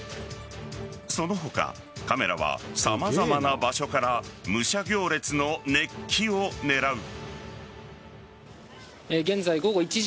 その他、カメラは様々な場所から武者行列の熱気を狙う。